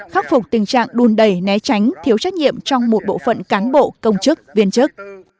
khắc phục tình trạng đun đầy né tránh thiếu trách nhiệm trong một bộ phận cán bộ công chức viên chức